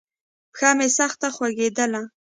پښه مې سخته خوږېدله.